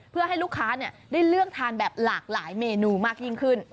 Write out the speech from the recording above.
เพื่อให้ลูกค้าได้เลือกทานแบบหลากหลายเมนูมากยิ่งขึ้น